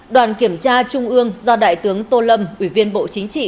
đoàn kiểm tra trung ương do đại tướng tô lâm ủy viên bộ chính trị